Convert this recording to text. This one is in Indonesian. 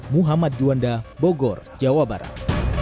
muhammad juanda bogor jawa barat